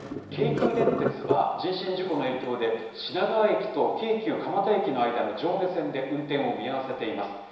京急電鉄は人身事故の影響で、品川駅と京急蒲田駅の間の上下線で運転を見合わせています。